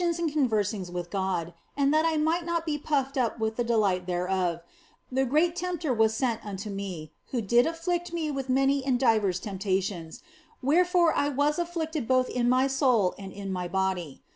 i 4 THE BLESSED ANGELA and conversings with God, and that I might not be puffed up with the delight thereof, the great tempter was sent unto me, who did afflict me with many and divers tempta tions, wherefore was I afflicted both in my soul and in my body.